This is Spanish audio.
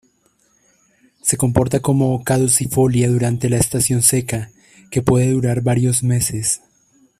Se comporta como caducifolia durante la estación seca, que puede durar varios meses.